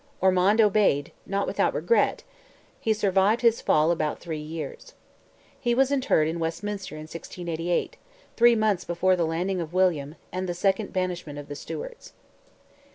Ormond obeyed, not without regret; he survived his fall about three years. He was interred in Westminster in 1688, three months before the landing of William, and the second banishment of the Stuarts.